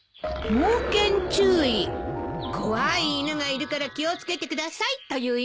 「猛犬注意」怖い犬がいるから気を付けてくださいという意味よ。